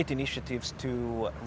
inisiatif yang bagus untuk